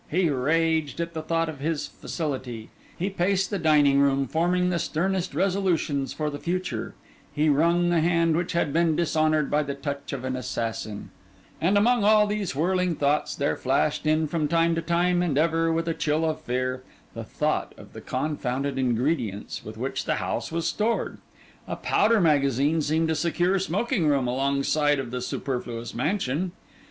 He raged at the thought of his facility; he paced the dining room, forming the sternest resolutions for the future; he wrung the hand which had been dishonoured by the touch of an assassin; and among all these whirling thoughts, there flashed in from time to time, and ever with a chill of fear, the thought of the confounded ingredients with which the house was stored. A powder magazine seemed a secure smoking room alongside of the Superfluous Mansion.